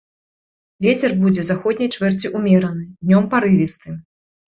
Вецер будзе заходняй чвэрці ўмераны, днём парывісты.